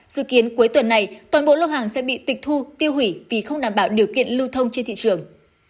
dự kiến cuối tuần này toàn bộ lô hàng sẽ bị tịch thu tiêu hủy vì không đảm bảo điều kiện lưu thông trên thị trường